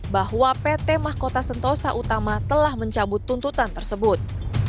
bahwa pt mahkota sentosa utama telah mencabut tuntutan tersebut